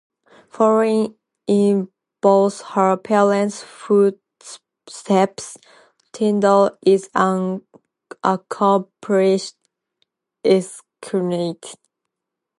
Following in both her parents' footsteps, Tindall is an accomplished equestrienne.